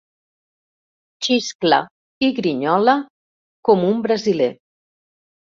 Xiscla ¡ grinyola com un brasiler.